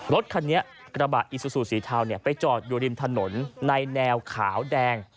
รถคันนี้กระบะอีซูซูสีเทาไปจอดอยู่ริมถนนในแนวขาวแดง